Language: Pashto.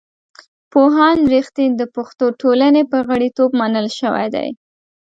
پوهاند رښتین د پښتو ټولنې په غړیتوب منل شوی دی.